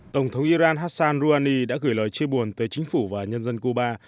tổng thống iran hassan rouhani đã gửi lời chia buồn tới chính phủ và nhân dân cuba